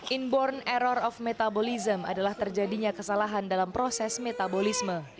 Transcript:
inborn error of metabolism adalah terjadinya kesalahan dalam proses metabolisme